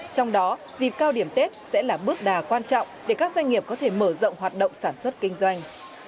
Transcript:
trong đó dịp cao điểm tết sẽ là bước đà quan trọng để các doanh nghiệp có thể mở rộng hoạt động sản xuất kinh doanh